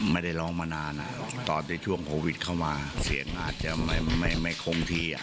ไม่ได้ร้องมานานตอนที่ช่วงโควิดเข้ามาเสียงอาจจะไม่คงที่